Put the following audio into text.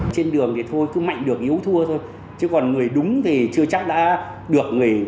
trên đường thì thôi cứ mạnh được yếu thua thôi chứ còn người đúng thì chưa chắc đã được người